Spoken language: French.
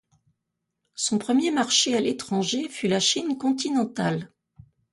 Son premier marché à l'étranger fut la Chine continentale.